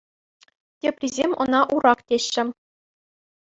Теприсем ӑна Урак теҫҫӗ.